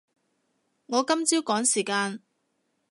我今朝趕時間